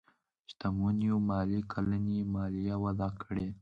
شتمنيو ماليې کلنۍ ماليه وضعه کړي.